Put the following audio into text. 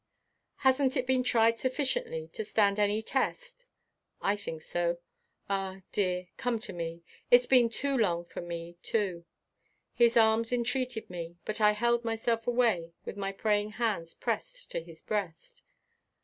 "Hasn't it been tried sufficiently to stand any test? I think so. Ah, dear, come to me it's been long for me, too." His arms entreated me, but I held myself away with my praying hands pressed to his breast.